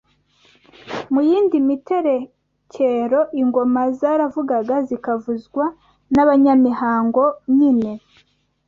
mu yindi miterekero ingoma zaravugaga zikavuzwa n’abanyamihango nyine